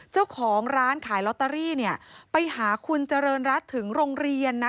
เจ้าของร้านขายลอตเตอรี่เนี่ยไปหาคุณเจริญรัฐถึงโรงเรียนนะ